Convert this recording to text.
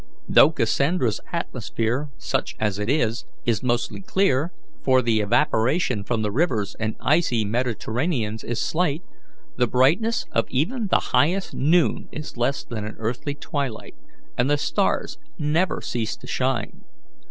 "Though Cassandra's atmosphere, such as it is, is mostly clear, for the evaporation from the rivers and icy mediterraneans is slight, the brightness of even the highest noon is less than an earthly twilight, and the stars never cease to shine.